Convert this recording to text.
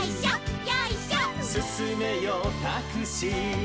「すすめよタクシー」